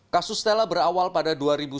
kasus stella berawal pada dua ribu sembilan belas